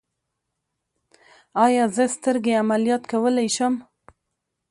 ایا زه سترګې عملیات کولی شم؟